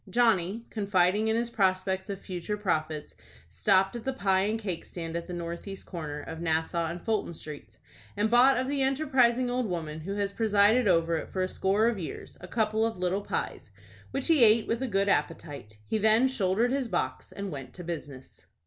Johnny, confiding in his prospects of future profits, stopped at the pie and cake stand at the north east corner of Nassau and Fulton Streets, and bought of the enterprising old woman who has presided over it for a score of years, a couple of little pies, which he ate with a good appetite. He then shouldered his box and went to business.